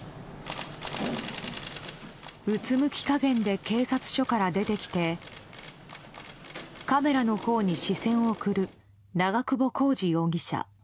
うつむき加減で警察署から出てきてカメラのほうに視線を送る長久保浩二容疑者。